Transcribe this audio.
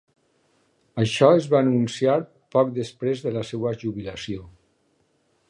Això es va anunciar poc després de la seva jubilació.